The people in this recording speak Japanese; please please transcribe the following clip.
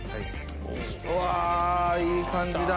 うわいい感じだ！